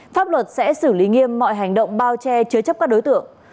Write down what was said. pháp luật sẽ xử lý nghiêm mọi hành động bao che chứa chấp các đối tượng